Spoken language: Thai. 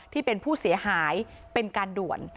ที่เป็นผู้เสียหายเป็นการด่วน